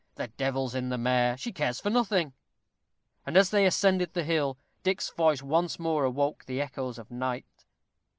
The devil's in the mare, she cares for nothing." And as they ascended the hill, Dick's voice once more awoke the echoes of night.